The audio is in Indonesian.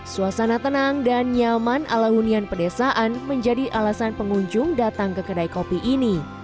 suasana tenang dan nyaman ala hunian pedesaan menjadi alasan pengunjung datang ke kedai kopi ini